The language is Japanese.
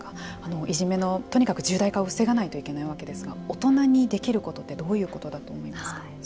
いじめのとにかく重大化を防がないといけないわけですが大人にできることってどういうことだと思いますか。